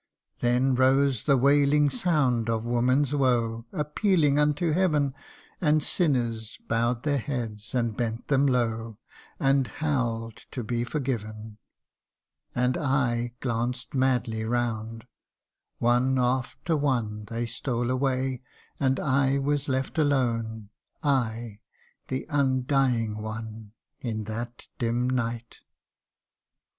Then rose the wailing sound of woman's woe Appealing unto Heaven, And sinners bow'd their heads, and bent them low, And howl'd to be forgiven And / glanced madly round One after one They stole away, and I was left alone I the Undying One, in that dim night